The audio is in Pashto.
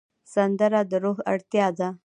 سندره د روح اړتیا ده